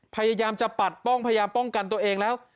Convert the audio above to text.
พยายามจะปัดป้องพยายามป้องกันตัวเองแล้ว